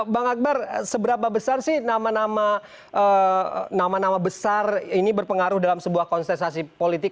bang akbar seberapa besar sih nama nama besar ini berpengaruh dalam sebuah konsentrasi politik